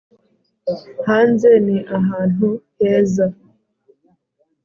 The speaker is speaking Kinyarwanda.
hanze ni ahantu heza.